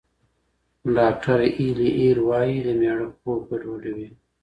ډاکټره ایلي هیر وايي، د مېړه خوب ګډوډوي.